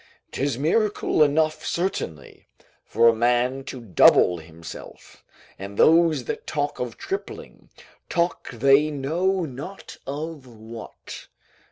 'Tis miracle enough certainly, for a man to double himself, and those that talk of tripling, talk they know not of what.